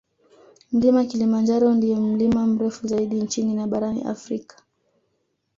Mlima Kilimanjaro ndiyo mlima mrefu zaidi nchini na barani Afrika